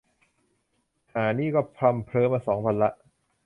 ห่านี่ก็พร่ำเพ้อมาสองวันละ